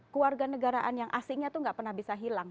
keluarga negaraan yang asingnya itu nggak pernah bisa hilang